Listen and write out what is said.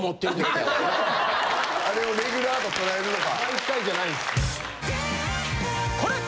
あれをレギュラーととらえるのか。